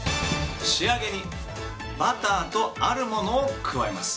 仕上げにバターとあるものを加えます。